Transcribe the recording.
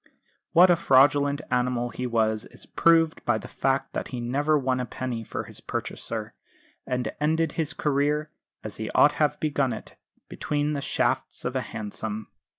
What a fraudulent animal he was is proved by the fact that he never won a penny for his purchaser, and ended his career, as he ought to have begun it, between the shafts of a hansom.